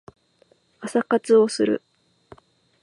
朝活をする